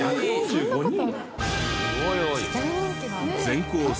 １４５人！？